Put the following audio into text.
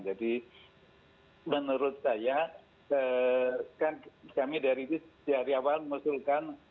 jadi menurut saya kan kami dari awal musuhkan